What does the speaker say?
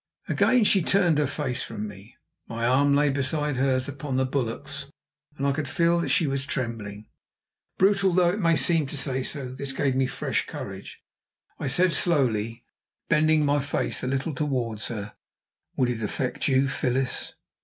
Again she turned her face from me. My arm lay beside hers upon the bulwarks, and I could feel that she was trembling. Brutal though it may seem to say so, this gave me fresh courage. I said slowly, bending my face a little towards her: "Would it affect you, Phyllis?"